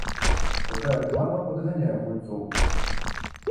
Такая рэклама падганяе гульцоў.